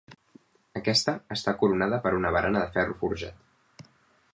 Aquesta està coronada per una barana de ferro forjat.